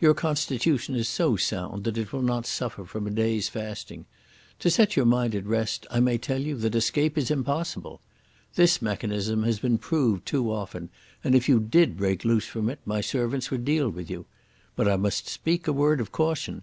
Your constitution is so sound that it will not suffer from a day's fasting. To set your mind at rest I may tell you that escape is impossible. This mechanism has been proved too often, and if you did break loose from it my servants would deal with you. But I must speak a word of caution.